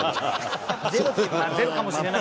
ゼロかもしれない。